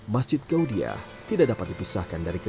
masjid gaudiah tidak dapat dipisahkan dari kebena